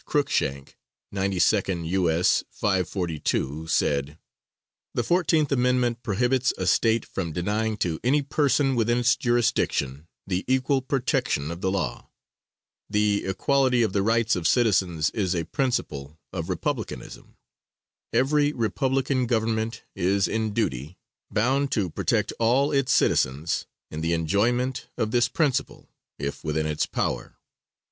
Cruikshank, 92nd U.S. 542, said: "The 14th amendment prohibits a State from denying to any person within its jurisdiction the equal protection of the law. The equality of the rights of citizens is a principle of republicanism. Every Republican government is in duty bound to protect all its citizens in the enjoyment of this principle if within its power."